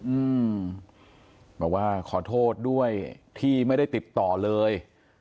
อืมบอกว่าขอโทษด้วยที่ไม่ได้ติดต่อเลย